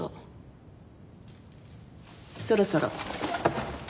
そろそろ。